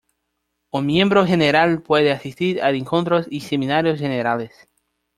Un miembro general puede asistir a encuentros y seminarios generales.